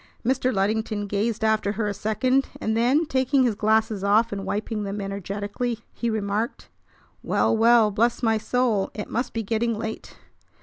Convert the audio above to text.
Mr. Luddington gazed after her a second; and then, taking his glasses off and wiping them energetically, he remarked: "Well, well, bless my soul! It must be getting late!